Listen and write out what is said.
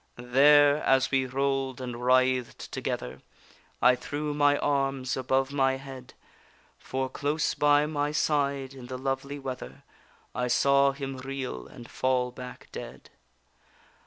There, as we roll'd and writhed together, I threw my arms above my head, For close by my side, in the lovely weather, I saw him reel and fall back dead.